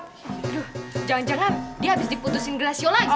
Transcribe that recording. aduh jangan jangan dia habis diputusin glasio lagi